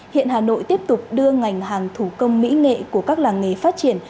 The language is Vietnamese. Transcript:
hiện hà nội tiếp tục đưa ngành hàng thủ công mỹ nghệ của các làng nghề phát triển